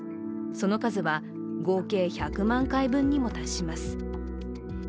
その数は合計１００万回分にも達します。